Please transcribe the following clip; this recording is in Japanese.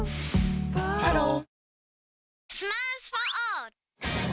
ハロー